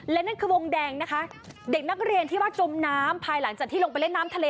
และนั่นคือวงแดงนะคะเด็กนักเรียนที่ว่าจมน้ำภายหลังจากที่ลงไปเล่นน้ำทะเล